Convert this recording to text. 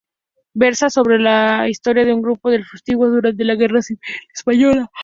Versa sobre la historia de un grupo de fugitivos durante la Guerra Civil española.